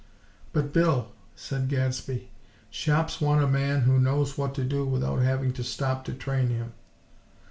"But, Bill," said Gadsby, "shops want a man who knows what to do without having to stop to train him."